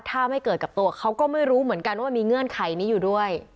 ถ้าไม่เกิดกับตัวเขาก็ไม่รู้เหมือนกันว่ามันมีเงื่อนไขนี้อยู่ด้วย